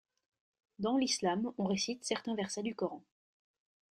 Dans l'islam, on récite certains versets du Coran.